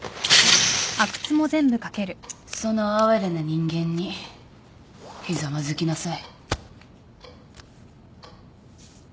その哀れな人間にひざまずきなさい。